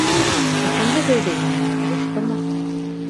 - Ысынды һөйҙәйһеңме, буштымы?!